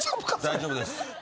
大丈夫です。